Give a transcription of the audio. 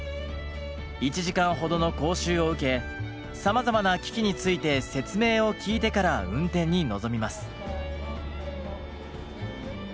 １時間ほどの講習を受けさまざまな機器について説明を聞いてから運転に臨みます。